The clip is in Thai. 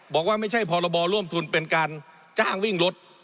บอกว่าไม่ใช่พรบร่วมทุนเป็นการจ้างวิ่งรถ